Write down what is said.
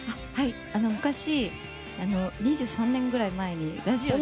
昔、２３年くらい前にラジオで。